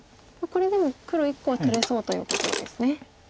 これでも黒１個は取れそうということですね。